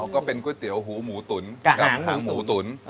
ก็เป็นก๋วยเตี๋ยวหูหมูตุ๋นกับหูหมูตุ๋น